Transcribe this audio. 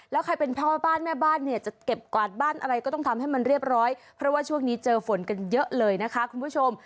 แล้วใครเป็นพ่อบ้านแม่บ้านเนี่ยจะเก็บกวาดบ้านอะไรก็ต้องทำให้มันเรียบร้อยเพราะว่าช่วงนี้เจอฝนกันเยอะเลยนะคะคุณผู้ชม